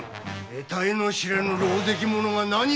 えたいの知れぬろうぜき者が何を申す！